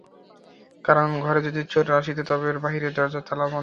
কারণ, ঘরে যদি চোর আসিত তবে বাহিরের দরজার তালা বন্ধ থাকিত না।